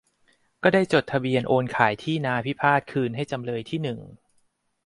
ก็ได้จดทะเบียนโอนขายที่นาพิพาทคืนให้จำเลยที่หนึ่ง